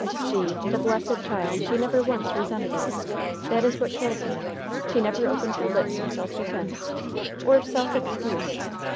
"She! the blessed child! She never once resented it that is what kills me! She never opened her lips in self defense, or self excuse!